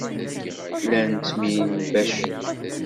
Llan ttemyenbacen.